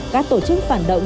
các tổ chức phản động